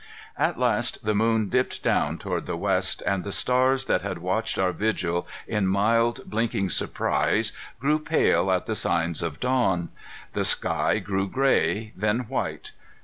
At last the moon dipped down toward the west, and the stars that had watched our vigil in mild, blinking surprise grew pale at the signs of dawn. The sky grew gray, then white.